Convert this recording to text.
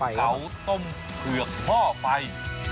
เขาต้มเผือกหม้อไฟ